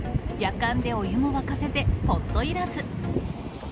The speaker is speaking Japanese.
やかんでお湯も沸かせてポットいらず。